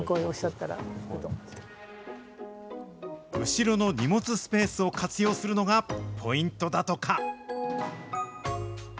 後ろの荷物スペースを活用するのがポイントだとか。